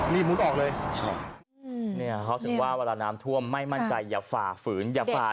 แล้วก็มุดออก